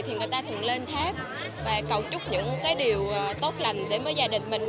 thì người ta thường lên tháp và cầu chúc những cái điều tốt lành để với gia đình mình